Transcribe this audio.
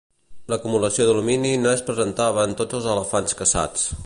L'acumulació d'alumini no es presentava en tots els elefants caçats.